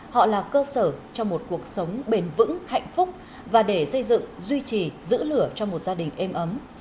họ là cơ sở cho một cuộc sống bền vững hạnh phúc và để xây dựng duy trì giữ lửa cho một gia đình êm ấm